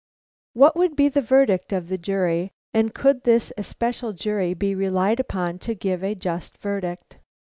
What would be the verdict of the jury, and could this especial jury be relied upon to give a just verdict?